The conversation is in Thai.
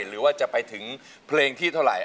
หรือว่าจะไปถึงเพลงที่เท่าไหร่